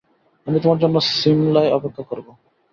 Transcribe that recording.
আমি তোমার জন্য সিমলায় অপেক্ষা করব।